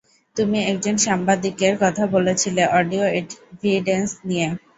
তুমি একজন সাংবাদিকের কথা বলেছিলে অডিও এভিডেন্স নিয়ে।